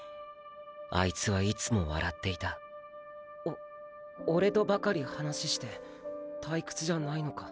あいつはいつも笑っていたオオレとばかり話して退屈じゃないのか？